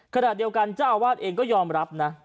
ขณะเดียวกันเจ้าอาวาสเองก็ยอมรับนะ